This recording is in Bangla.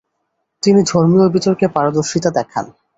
তিনি ধর্মীয় বিতর্কে পারদর্শিতা দেখান।